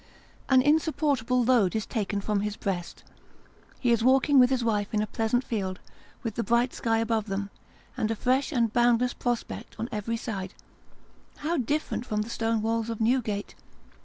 An insupportable load is taken from his breast ; he is walking with his wife in a pleasant field, with the bright sky above them, and a fresh and boundless prospect on every side how different from the stone walls of New gate